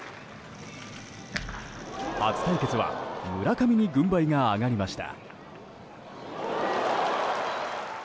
初対決は村上に軍配が上がりました。